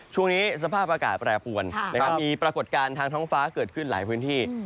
ช่วงนี้สภาพอากาศแปรปวนมีปรากฏการณ์ทางท้องฟ้าเกิดขึ้นหลายพื้นที่